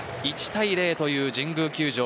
１対０という神宮球場。